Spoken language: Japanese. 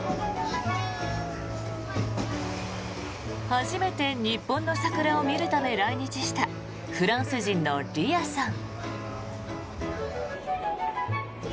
初めて日本の桜を見るため来日したフランス人のリアさん。